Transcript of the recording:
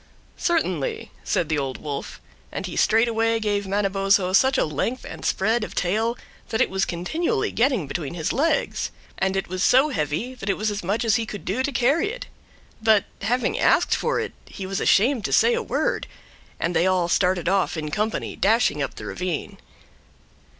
"Certainly," said the Old Wolf; and he straightway gave Manabozho such a length and spread of tail that it was continually getting between his legs, and it was so heavy that it was as much as he could do to carry it. But, having asked for it, he was ashamed to say a word, and they all started off in company, dashing up the ravine.